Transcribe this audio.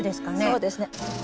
そうですね。